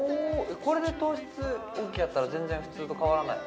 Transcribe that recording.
これで糖質オッケーやったら全然普通と変わらない？